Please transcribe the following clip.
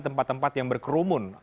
tempat tempat yang berkerumun